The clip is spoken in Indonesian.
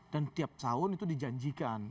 dan tiap tahun itu dijanjikan